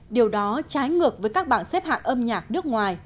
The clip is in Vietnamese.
điều đó trái ngược với các bảng xếp hạng âm nhạc